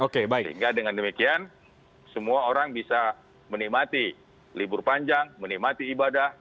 sehingga dengan demikian semua orang bisa menikmati libur panjang menikmati ibadah